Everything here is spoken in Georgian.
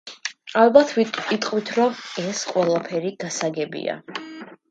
ალბათ იტყვით, რომ ეს ყველაფერი გასაგებია.